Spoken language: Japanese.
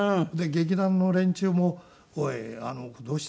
劇団の連中も「おいあの子どうした？